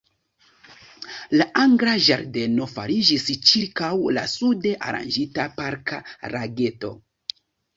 La Angla ĝardeno fariĝis ĉirkaŭ la sude aranĝita Parka lageto.